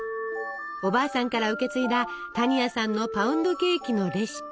おばあさんから受け継いだ多仁亜さんのパウンドケーキのレシピ。